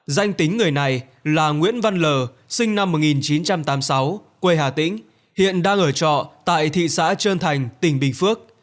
danh tính người này là nguyễn văn l sinh năm một nghìn chín trăm tám mươi sáu quê hà tĩnh hiện đang ở trọ tại thị xã trơn thành tỉnh bình phước